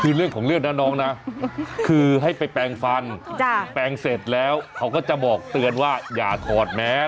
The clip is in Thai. คือเรื่องของเรื่องนะน้องนะคือให้ไปแปลงฟันแปลงเสร็จแล้วเขาก็จะบอกเตือนว่าอย่าถอดแมส